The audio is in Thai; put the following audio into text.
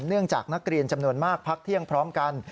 เนื่องจากนักเรียนจำนวนมากพักเที่ยงพร้อมกัน